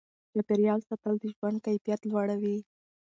چاپیریال ساتل د ژوند کیفیت لوړوي.